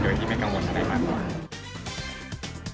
โดยที่ไม่กังวลในความรู้สึก